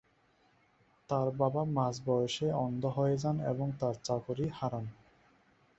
তার বাবা মাঝ বয়সেই অন্ধ হয়ে যান এবং তার চাকুরী হারান।